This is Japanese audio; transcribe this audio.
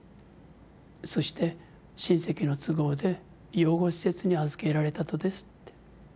そして親戚の都合で養護施設に預けられたとです。